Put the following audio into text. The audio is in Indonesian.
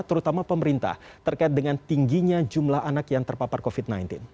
terutama pemerintah terkait dengan tingginya jumlah anak yang terpapar covid sembilan belas